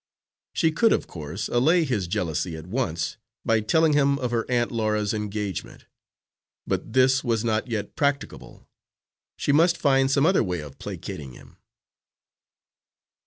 She could, of course, allay his jealousy at once by telling him of her Aunt Laura's engagement, but this was not yet practicable. She must find some other way of placating him.